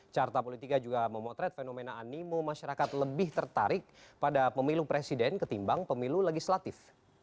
carta politika juga memotret fenomena animo masyarakat lebih tertarik pada pemilu presiden ketimbang pemilu legislatif